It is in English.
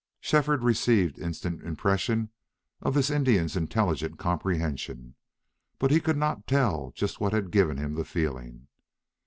Shefford received instant impression of this Indian's intelligent comprehension, but he could not tell just what had given him the feeling.